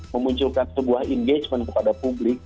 memunculkan sebuah engagement kepada publik